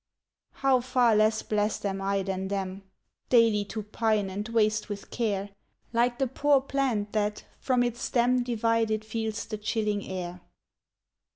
"How far less blest am I than them Daily to pine and waste with care! Like the poor plant, that, from its stem Divided, feels the chilling air.